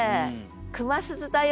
「熊鈴だよ」